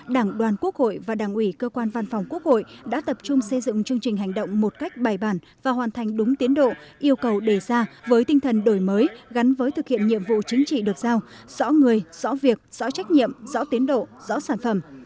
đảng đoàn quốc hội và đảng ủy cơ quan văn phòng quốc hội đã tập trung xây dựng chương trình hành động một cách bài bản và hoàn thành đúng tiến độ yêu cầu đề ra với tinh thần đổi mới gắn với thực hiện nhiệm vụ chính trị được giao rõ người rõ việc rõ trách nhiệm rõ tiến độ rõ sản phẩm